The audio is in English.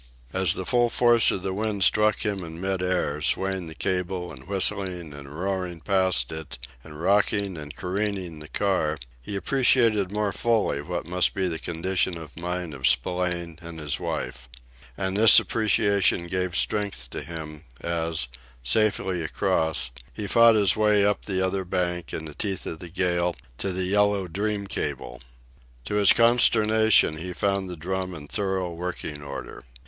As the full force of the wind struck him in mid air, swaying the cable and whistling and roaring past it, and rocking and careening the car, he appreciated more fully what must be the condition of mind of Spillane and his wife. And this appreciation gave strength to him, as, safely across, he fought his way up the other bank, in the teeth of the gale, to the Yellow Dream cable. To his consternation, he found the drum in thorough working order.